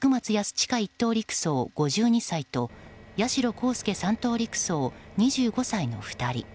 親１等陸曹、５２歳と八代航佑３等陸曹、２５歳の２人。